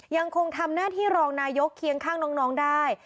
ยังคงทำหน้าที่รองนายกเคียงข้างน้องได้